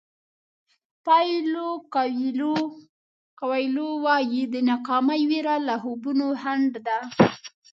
پایلو کویلو وایي د ناکامۍ وېره له خوبونو خنډ ده.